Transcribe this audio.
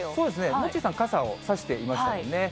モッチーさん、傘を差していましたもんね。